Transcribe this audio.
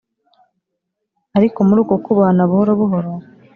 Ariko muri uko kubahana buhoro buhoro,